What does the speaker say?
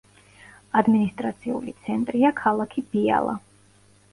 ადმინისტრაციული ცენტრია ქალაქი ბიალა.